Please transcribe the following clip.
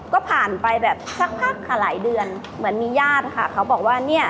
ก็ผ่านไปแบบสักพักค่ะหลายเดือนเหมือนมีญาติค่ะเขาบอกว่าเนี่ย